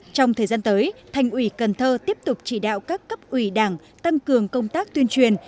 trong thời gian tới thành ủy cần thơ tiếp tục chỉ đạo các cấp ủy đảng tăng cường công tác tuyên truyền